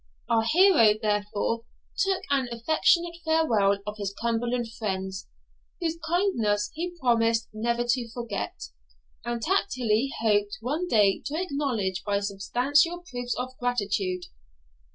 Our hero, therefore, took an affectionate farewell of his Cumberland friends, whose kindness he promised never to forget, and tacitly hoped ene day to acknowledge by substantial proofs of gratitude.